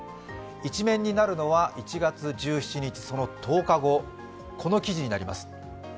１面になるのは１月１７日、１０日後、この記事になります。